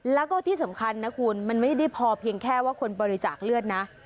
แล้วก็ที่สำคัญนะคุณมันไม่ได้พอเพียงแค่ว่าคนบริจาคเลือดนะ